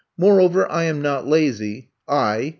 Moreover, I am not lazy — I